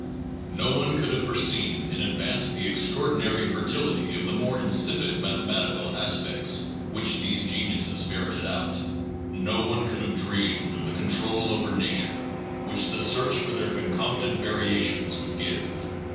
No one could have foreseen in advance the extraordinary fertility of the more insipid mathematical aspects which these geniuses fer reted out. No one could have dreamed of the control over nature which the search for their concomitant variations would give.